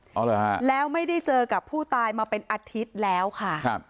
เอาเหรอฮะแล้วไม่ได้เจอกับผู้ตายมาเป็นอาทิตย์แล้วค่ะครับ